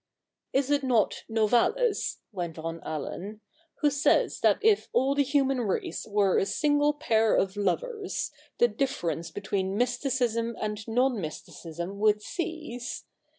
' Is it not Novalis,' went on Allen, 'who says that if all the human race were a single pair of lovers, the difference between mysticism and non mysticism would cease